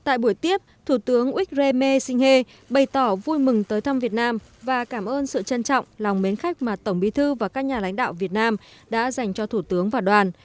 tại buổi tiếp thủ tướng urke singhe bày tỏ vui mừng tới thăm việt nam và cảm ơn sự trân trọng lòng mến khách mà tổng bí thư và các nhà lãnh đạo việt nam đã dành cho thủ tướng và đoàn